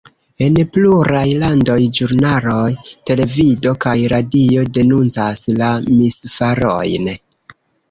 En pluraj landoj ĵurnaloj, televido kaj radio denuncas la misfarojn.